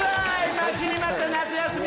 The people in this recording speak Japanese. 待ちに待った夏休み！